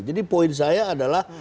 jadi poin saya adalah